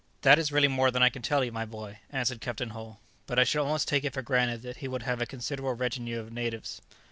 "That is really more than I can tell you, my boy," answered Captain Hull; "but I should almost take it for granted that he would have a considerable retinue of natives."